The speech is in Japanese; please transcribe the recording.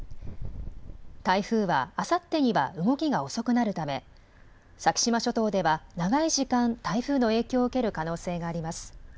台風はあさってには動きが遅くなるため先島諸島では長い時間、台風の影響を受ける可能性があります。